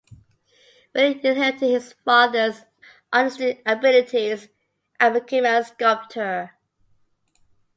Willie inherited his father's artistic abilities and became a sculptor.